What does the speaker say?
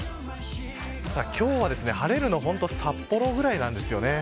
今日は晴れるのは本当に札幌ぐらいなんですよね。